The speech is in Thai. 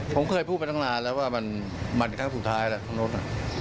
ผมเคยพูดไปตั้งนานแล้วว่ามันครั้งสุดท้ายแล้วข้างนู้น